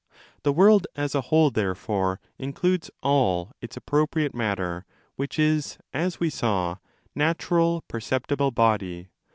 The world asa whole, therefore, includes all its appropriate matter, which is, as we saw, natural perceptible body.